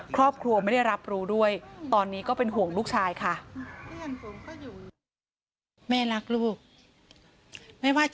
ครอบครัวไม่ได้รับรู้ด้วยตอนนี้ก็เป็นห่วงลูกชายค่ะ